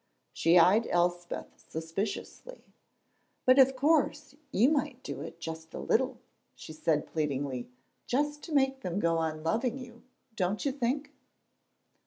She eyed Elspeth suspiciously. "But of course you might do it just a little," she said, pleadingly "just to make them go on loving you, don't you think?